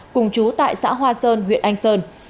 cùng chú tại xã hoa sơn huyện anh sơn